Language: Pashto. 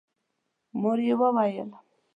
مور يې وويل: